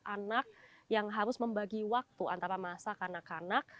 anak yang harus membagi waktu antara masa kanak kanak